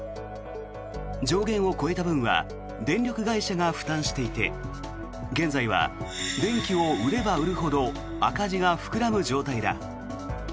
上限を超えた分は電力会社が負担していて現在は電気を売れば売るほど赤字が膨らむ状態だ。